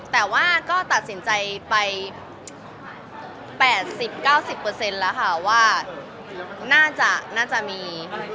แต่ว่าก็ตัดสินใจไป๘๐๙๐แล้วค่ะว่าน่าจะมี